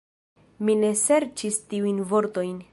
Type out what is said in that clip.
Mi ne serĉis tiujn vortojn.